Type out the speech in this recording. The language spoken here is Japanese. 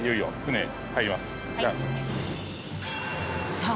さあ